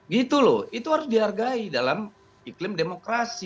gitu loh itu harus dihargai dalam iklim demokrasi